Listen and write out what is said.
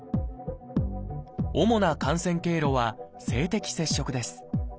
主な感染経路は「性的接触」です。